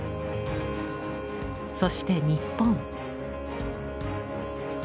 そして日本。